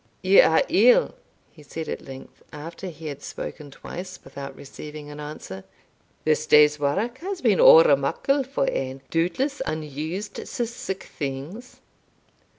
"You are ill," he said at length, after he had spoken twice without receiving an answer; "this day's wark has been ower muckle for ane doubtless unused to sic things."